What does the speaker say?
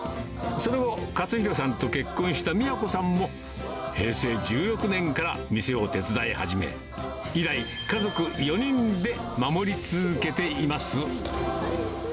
その後、勝弘さんと結婚したみやこさんも、平成１６年から店を手伝い始め、以来、家族４人で守り続けています。